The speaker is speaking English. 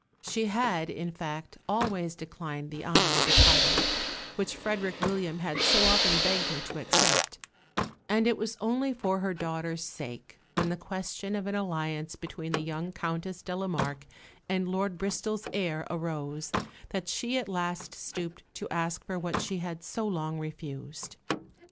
She had, in fact, always declined the honour of a title, which Frederick William had so often begged her to accept; and it was only for her daughter's sake, when the question of an alliance between the young Countess de la Marke and Lord Bristol's heir arose, that she at last stooped to ask for what she had so long refused.